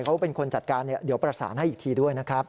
เขาเป็นคนจัดการเดี๋ยวประสานให้อีกทีด้วยนะครับ